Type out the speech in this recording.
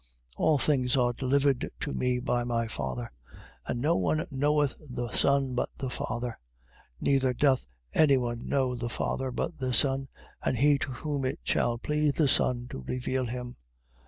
11:27. All things are delivered to me by my Father. And no one knoweth the Son but the Father: neither doth any one know the Father, but the Son, and he to whom it shall please the Son to reveal him.